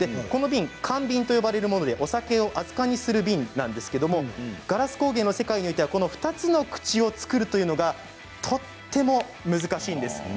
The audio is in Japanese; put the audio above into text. この瓶燗瓶と呼ばれるものでお酒を熱かんにする瓶なんですけれどガラス工芸の世界ではこの２つの口を作るというのがとても難しいんです。